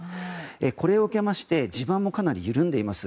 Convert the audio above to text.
これを受けまして地盤もかなり緩んでいます。